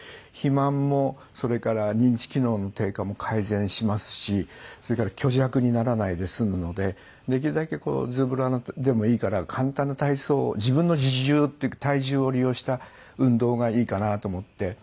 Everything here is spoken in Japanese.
肥満もそれから認知機能の低下も改善しますしそれから虚弱にならないで済むのでできるだけズボラでもいいから簡単な体操自分の自重っていうか体重を利用した運動がいいかなと思って。